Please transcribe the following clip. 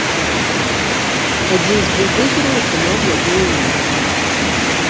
Адзін з бульдозераў атрымаў яго імя.